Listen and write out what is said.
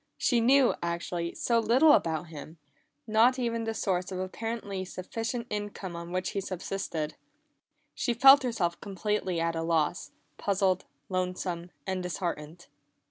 She knew, actually, so little about him not even the source of the apparently sufficient income on which he subsisted. She felt herself completely at a loss, puzzled, lonesome, and disheartened.